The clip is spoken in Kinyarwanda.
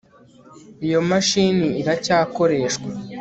iyo mashini iracyakoreshwa